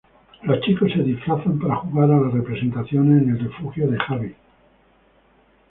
Los chicos se disfrazan para jugar a las representaciones en el refugio de Javi.